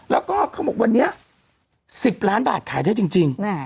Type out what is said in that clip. แล้วก็เขาบอกวันนี้๑๐ล้านบาทขายได้จริง